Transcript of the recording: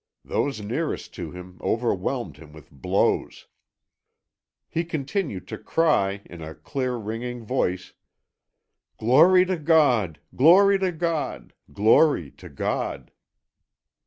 Those nearest to him overwhelmed him with blows. He continued to cry, in a clear, ringing voice, "Glory to God! Glory to God! Glory to God!"